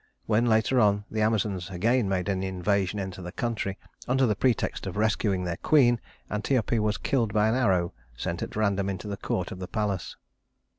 When, later on, the Amazons again made an invasion into the country under the pretext of rescuing their queen, Antiope was killed by an arrow sent at random into the court of the palace.